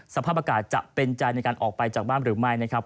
สภาพอากาศจะเป็นใจในการออกไปจากบ้านหรือไม่นะครับ